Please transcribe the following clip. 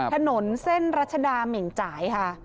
ถนนเส้นรัชดาเหม่งจ่ายค่ะ